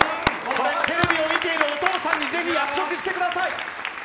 テレビを見ているお父さんにぜひ約束してください。